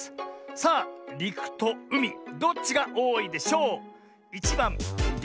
さありくとうみどっちがおおいでしょう？